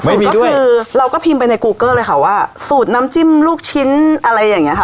ก็คือเราก็พิมพ์ไปในกูเกอร์เลยค่ะว่าสูตรน้ำจิ้มลูกชิ้นอะไรอย่างนี้ค่ะ